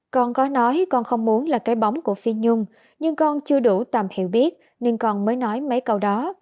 con có nói con không muốn là cái bóng của phi nhung nhưng con chưa đủ tạm hiểu biết nên con mới nói mấy câu đó